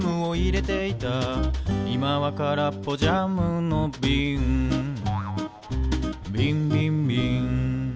「いまはからっぽジャムのびん」「びんびんびん」